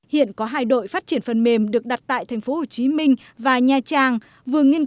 hiện có hai đội phát triển phần mềm được đặt tại thành phố hồ chí minh và nha trang vừa nghiên